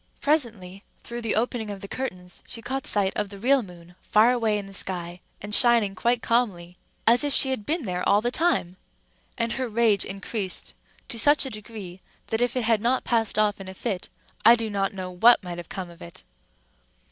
Presently, through the opening of the curtains, she caught sight of the real moon, far away in the sky, and shining quite calmly, as if she had been there all the time; and her rage increased to such a degree that if it had not passed off in a fit, I do not know what might have come of it.